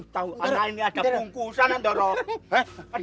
tahu anak ini ada bungkusan dorong